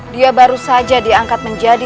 dia baru saja diangkat menjadi